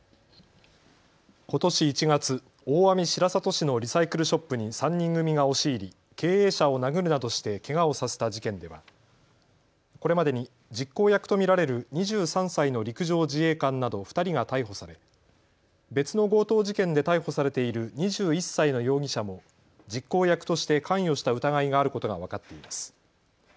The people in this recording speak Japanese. ことし１月、大網白里市のリサイクルショップに３人組が押し入り、経営者を殴るなどしてけがをさせた事件ではこれまでに実行役と見られる２３歳の陸上自衛官など２人が逮捕され、別の強盗事件で逮捕されている２１歳の容疑者も実行役として関与した疑いがあることが分かっています。